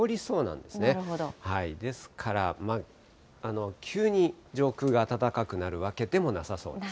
ですから、急に上空が暖かくなるわけでもなさそうです。